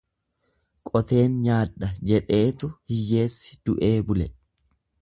Qoteen nyaadha jedheetu hiyyeessi du'ee bule.